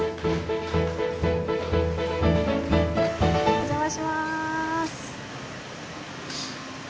お邪魔します。